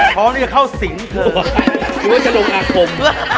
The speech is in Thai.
คือว่าจะลงอาคม